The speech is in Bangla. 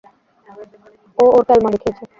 ও ওর ক্যালমা দেখিয়েছে!